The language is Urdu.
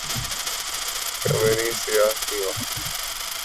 کمریں سیاہ تھیں وہاں